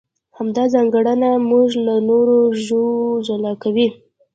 همدا ځانګړنه موږ له نورو ژوو جلا کوي.